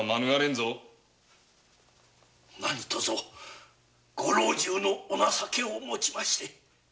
何とぞ何とぞご老中のお情けをもちまして。